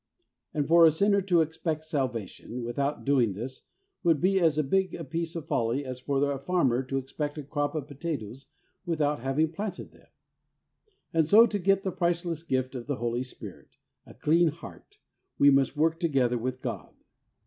And for a sinner to expect Salvation without doing this would be as big a piece of folly as for a farmer to expect a crop of potatoes without having planted them. And so, to get the priceless gift of the Holy Spirit — a clean heart, we must work together with God.